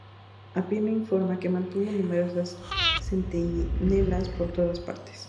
Apiano informa que mantuvo numerosos centinelas por todas partes.